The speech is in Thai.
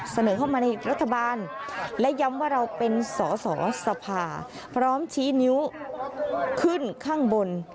เสนอเข้ามาในรัฐบาลและย้ำว่าเราเป็นสอสอสภาพร้อมชี้นิ้วขึ้นข้างบน